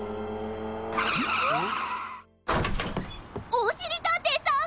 おしりたんていさん！